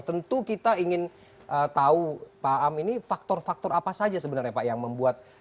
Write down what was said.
tentu kita ingin tahu pak am ini faktor faktor apa saja sebenarnya pak yang membuat